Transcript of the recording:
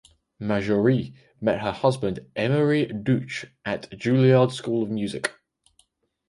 Marjorie met her husband Emery Deutsch at the Julliard School of Music.